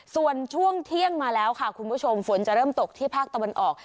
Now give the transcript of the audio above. ส่วนช่วงเที่ยงมาแล้วค่ะคุณผู้ชมฝนจะเริ่มตกที่ภาคตะวันออก